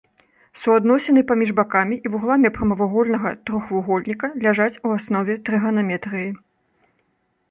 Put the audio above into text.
Суадносіны паміж бакамі і вугламі прамавугольнага трохвугольніка ляжаць у аснове трыганаметрыі.